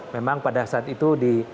memang pada saat itu di